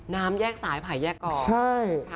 น้ำแยกสายไผ่แยกก่อนใช่